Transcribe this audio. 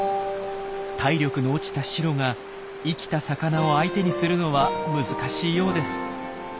体力の落ちたシロが生きた魚を相手にするのは難しいようです。